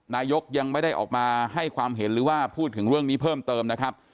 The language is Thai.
นายกยังไม่ได้ออกมาให้ความเห็นหรือว่าพูดถึงเรื่องนี้เพิ่มเติมนะครับ